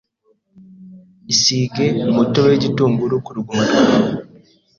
Isige umutobe w’igitunguru ku ruguma rwawe